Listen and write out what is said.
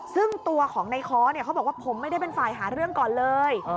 ซึ่งตัวของในค้อเขาบอกว่าผมไม่ได้เป็นฝ่ายหาเรื่องก่อนเลย